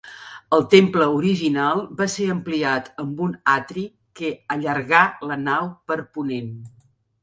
El temple original va ser ampliat amb un atri que allargà la nau per ponent.